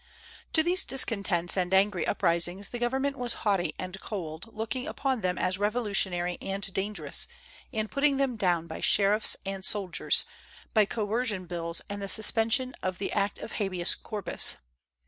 To these discontents and angry uprisings the government was haughty and cold, looking upon them as revolutionary and dangerous, and putting them down by sheriffs and soldiers, by coercion bills and the suspension of the Act of habeas corpus.